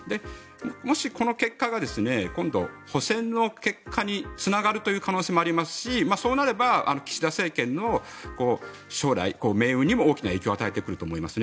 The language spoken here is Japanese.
もし、この結果が今度補選の結果につながるという可能性もありますしそうなれば岸田政権の将来命運にも大きな影響を与えてくると思いますね。